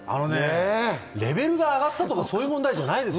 レベルが上がったとか、そういう問題じゃないです。